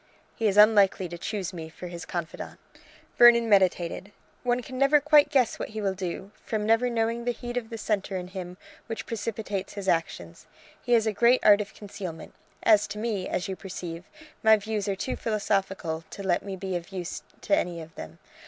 "He is unlikely to choose me for his confidante." Vernon meditated. "One can never quite guess what he will do, from never knowing the heat of the centre in him which precipitates his actions: he has a great art of concealment. As to me, as you perceive, my views are too philosophical to let me be of use to any of them.